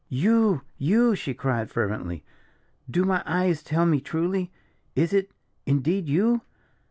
"You! you!" she cried, fervently; "do my eyes tell me truly? Is it, indeed, you?